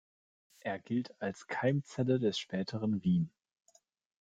Er gilt als Keimzelle des späteren Wien.